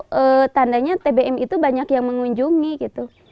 seandainya tbm itu banyak yang mengunjungi gitu